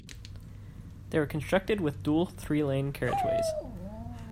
They were constructed with dual three-lane carriageways.